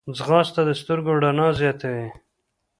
ځغاسته د سترګو رڼا زیاتوي